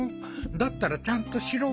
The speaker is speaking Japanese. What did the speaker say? だったらちゃんとしろ！